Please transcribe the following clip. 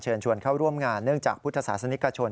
เชิญชวนเข้าร่วมงานเนื่องจากพุทธศาสนิกชน